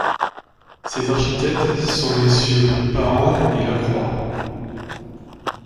Ses architectes sont messieurs Parent et Lacroix.